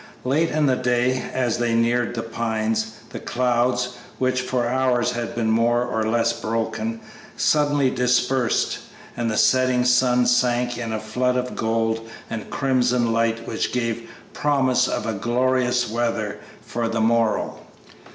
Late in the day, as they neared The Pines, the clouds, which for hours had been more or less broken, suddenly dispersed, and the setting sun sank in a flood of gold and crimson light which gave promise of glorious weather for the morrow.